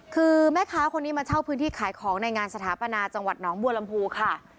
คือแม่ค้าคนนี้มาเช่าพื้นที่ขายของในงานสถาปนาจังหวัดหนองบัวลำพูค่ะ